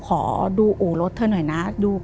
พอพ้าเข้าไปในห้องทหารมาดีนี่